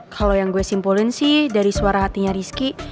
kalau yang gue simpulin sih dari suara hatinya rizky